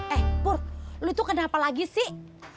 eh pur lu itu kenapa lagi sih